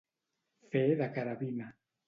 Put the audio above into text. Fer de carabina.